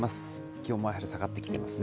気温もやはり下がってきてますね。